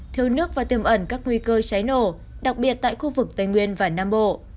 thiếu nước và tiềm ẩn các nguy cơ cháy nổ đặc biệt tại khu vực tây nguyên và nam bộ